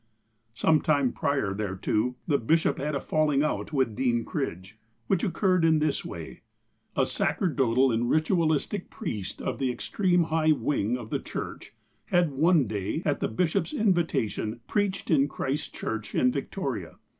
Some time prior thereto, the bishop had had a falling out with Dean Cridge, which occurred in this way : A sacerdotal and ritualistic i^riest of the extreme high wing of the Church had one day, at the bishop's invita tion, iDreached in Christ's Church in Victoria.